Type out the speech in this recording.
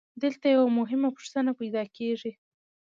دلته یوه مهمه پوښتنه پیدا کېږي